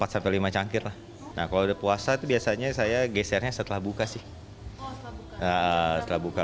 sampai empat lima cangkir nah kalau udah puasa biasanya saya gesernya setelah buka sih nah telah buka